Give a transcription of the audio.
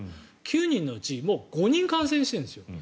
９人のうちもう５人感染しているんです。